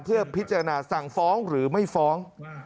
เพื่อพิจารณาสั่งฟ้องหรือไม่ฟ้อง